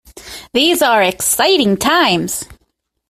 These are exciting times.